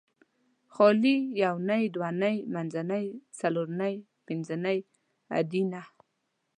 خالي یونۍ دونۍ منځنۍ څارنۍ پنځنۍ ادینه